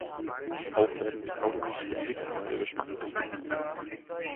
Auch werden die Kaugummis ständig um neue Geschmacksrichtungen ergänzt.